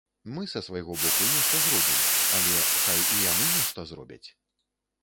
Мы са свайго боку нешта зробім, але, хай і яны нешта зробяць.